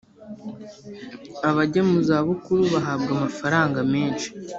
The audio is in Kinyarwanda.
abajya mu zabukuru bahabwa amafaranga menshi